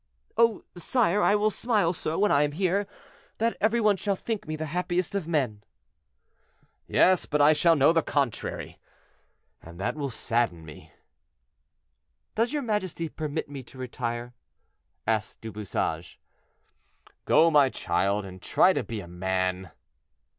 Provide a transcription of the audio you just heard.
"Oh! sire, I will smile so, when I am here, that every one shall think me the happiest of men." "Yes, but I shall know the contrary, and that will sadden me." "Does your majesty permit me to retire?" asked Du Bouchage. "Go, my child, and try to be a man."